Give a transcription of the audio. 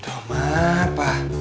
tuh mah apa